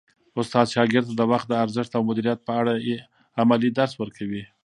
استاد شاګرد ته د وخت د ارزښت او مدیریت په اړه عملي درس ورکوي.